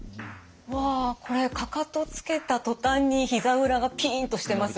わこれかかとつけた途端にひざ裏がピンとしてます。